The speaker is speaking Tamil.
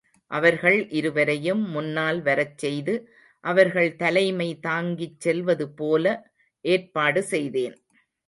அவர்கள் இருவரையும் முன்னால் வரச்செய்து அவர்கள் தலைமை தாங்கிச் செல்வது போல ஏற்பாடு செய்தேன்.